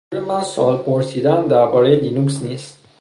منظور من سؤال پرسیدن دربارهٔ لینوکس نیست